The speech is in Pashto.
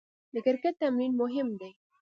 د کرکټ تمرین مهم دئ.